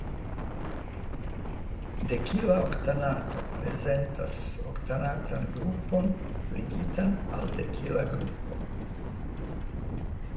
Dekila oktanato prezentas oktanatan grupon ligitan al dekila grupo.